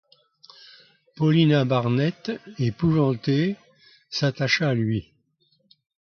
Paulina Barnett, épouvantée, s’attacha à lui.